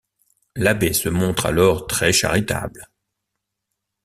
L'abbé se montre alors très charitable.